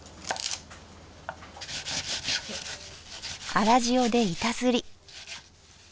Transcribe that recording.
粗塩で板ずり。